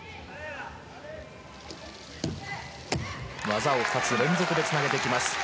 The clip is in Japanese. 技を２つ連続でつなげました。